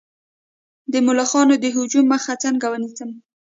د ملخانو د هجوم مخه څنګه ونیسم؟